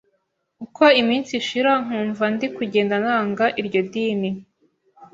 uko iminsi ishira nkumva ndi kugenda nanga iryo dini